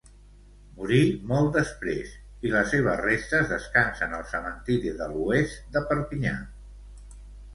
Morí molt després, i les seves restes descansen al cementiri de l'Oest de Perpinyà.